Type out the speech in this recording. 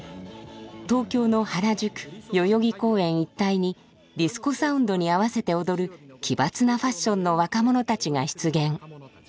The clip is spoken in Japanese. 東京の原宿代々木公園一帯にディスコサウンドに合わせて踊る奇抜なファッションの若者たちが出現。